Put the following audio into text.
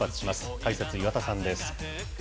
解説、岩田さんです。